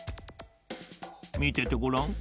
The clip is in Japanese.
みててごらん。